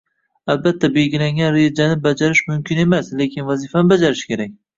Albatta, belgilangan rejani bajarish mumkin emas, lekin vazifani bajarish kerak